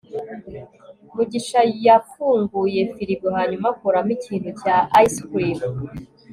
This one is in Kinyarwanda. mugisha yafunguye firigo hanyuma akuramo ikintu cya ice cream